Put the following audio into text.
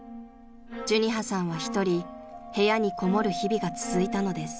［寿仁葉さんは一人部屋にこもる日々が続いたのです］